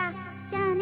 じゃあね。